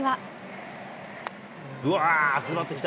うわー、詰まってきた。